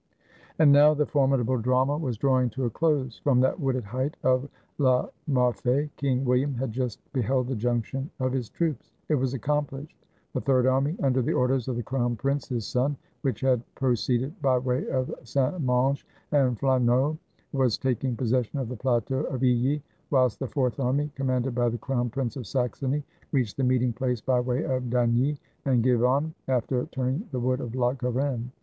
And now the formidable drama was drawing to a close. From that wooded height of La Marfee, King William had just beheld the junction of his troops. It was accomplished; the Third Army, under the orders of the Crown Prince, his son, which had proceeded by way of St. Menges and Fleigneux, was taking possession of the plateau of Illy, whilst the Fourth Army, com manded by the Crown Prince of Saxony, reached the meeting place by way of Daigny and Givonne, after turning the wood of La Garenne.